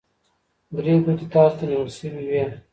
درې ګوتې تاسو ته نیول شوي وي.